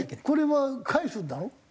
これは返すんだろ？